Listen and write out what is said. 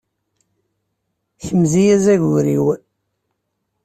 Kmez-iyi azagur-iw.